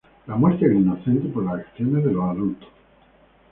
La muerte del inocente por las acciones de los adultos.